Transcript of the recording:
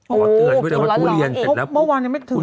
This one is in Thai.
โอ้โฮจริงแล้วเหรออีกโอ้โฮจริงแล้วเมื่อวานยังไม่ถึง๑๐เดือน